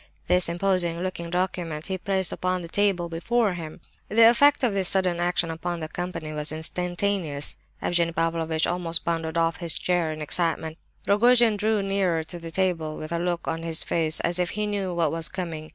This imposing looking document he placed upon the table before him. The effect of this sudden action upon the company was instantaneous. Evgenie Pavlovitch almost bounded off his chair in excitement. Rogojin drew nearer to the table with a look on his face as if he knew what was coming.